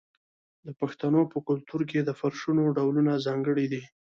د پښتنو په کلتور کې د فرشونو ډولونه ځانګړي دي.